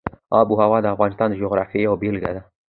آب وهوا د افغانستان د جغرافیې یوه بېلګه ده.